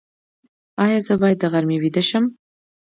ایا زه باید د غرمې ویده شم؟